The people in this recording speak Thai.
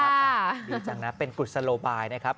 ดีจังนะเป็นกุศโลบายนะครับ